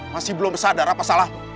masih belum sadar apa salah